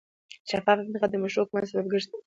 شفاف انتخابات د مشروع حکومت سبب ګرځي